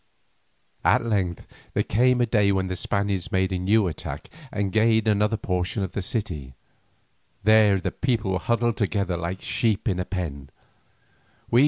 At length there came a day when the Spaniards made a new attack and gained another portion of the city. There the people were huddled together like sheep in a pen.